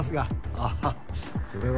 あぁそれは。